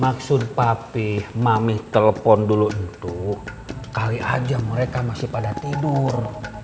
maksud papi mami telpon dulu itu kali aja mereka masih pada tidur